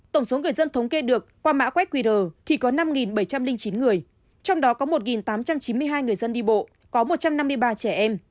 tổng số người dân thống kê được qua mã quét qr thì có năm bảy trăm linh chín người trong đó có một tám trăm chín mươi hai người dân đi bộ có một trăm năm mươi ba trẻ em